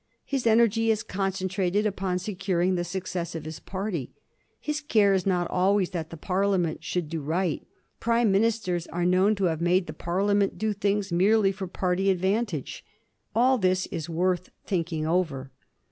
His energy is concentrated upon securing the success of his party. His care is not always that the Parliament shall do right. Prime Ministers are known to have made the Parliament do things merely for party advantage. All this is worth thinking over.